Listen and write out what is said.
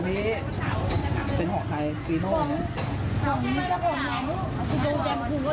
ตอนแรกเจ้าของเขาอยู่เขายืมให้ยืมไป